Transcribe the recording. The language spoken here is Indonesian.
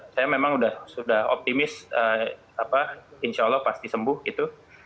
saya memang sudah optimis insya allah pasti sembuh itu